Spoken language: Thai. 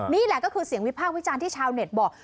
นี่แหละซึ่งเสียงวิภาควิจารณ์ที่ชาวเน็ตบอก